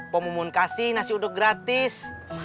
pemumun kasih nasi uduk gratis